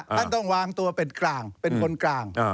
ต้องวางตัวเป็นกลางเป็นคนกลาง